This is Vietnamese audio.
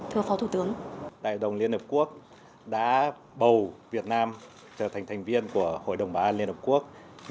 thưa phó thủ tướng đại đồng liên hợp quốc đã bầu việt nam trở thành thành viên của hội đồng bảo an liên hợp quốc